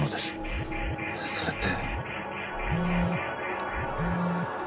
それって？